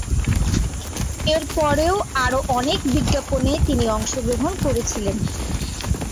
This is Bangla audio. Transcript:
এর পরেও আরো অনেক বিজ্ঞাপনে তিনি অংশগ্রহণ করেছেন।